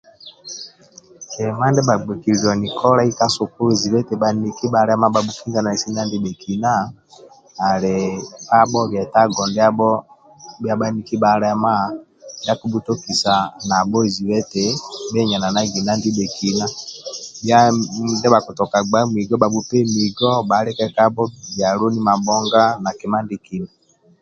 Kima ndia ndie kigbokiliani kolai ka sukulu zibe eti bhaniki bhalema bhabhukinginanisi na ndibhekina ali pabho bietago ndiabho bhia bhaniki bhalema ndi akibhutokisa zibe eti nabho bhaenyenagi na ndibhekina tabhi ndibha bhakitoka gba muigo bhabhupe muigo bhalike kabho byoloni mabhonga na kima ndie kina